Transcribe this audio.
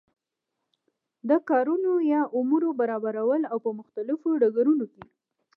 د کارونو یا امورو برابرول او په مختلفو ډګرونو کی